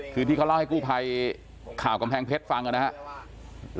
คือที่เขาเล่าให้กู้ภัยข่าวกำแพงเพชรฟังนะครับ